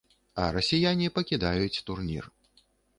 А расіяне пакідаюць турнір.